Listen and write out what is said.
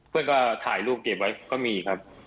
เพื่อนก็ถ่ายรูปเก็บไว้ก็มีครับ